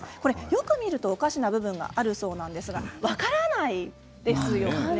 よく見るとおかしな部分があるそうなんですが分からないですよね。